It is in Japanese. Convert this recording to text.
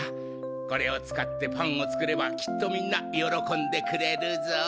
これを使ってパンを作ればきっとみんな喜んでくれるぞ。